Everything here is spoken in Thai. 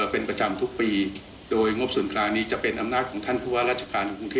๔เป็นไปตามนุยบายทางผู้ว่าราชการ